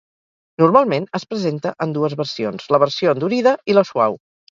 Normalment es presenta en dues versions: la versió endurida i la suau.